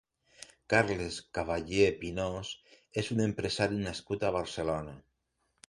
Carles Cavallé Pinós és un empresari nascut a Barcelona.